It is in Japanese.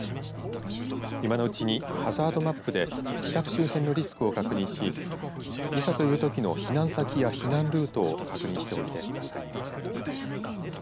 今のうちにハザードマップで自宅周辺のリスクを確認しいざというときの避難先や避難ルートを確認しておいてください。